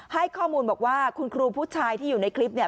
ให้ข้อมูลบอกว่าคุณครูผู้ชายที่อยู่ในคลิปเนี่ย